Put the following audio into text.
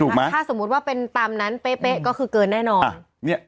ถ้าสมมุติว่าเป็นตามนั้นเป๊ะก็คือเกินแน่นอน